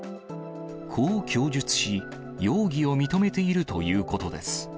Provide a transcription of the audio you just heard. こう供述し、容疑を認めているということです。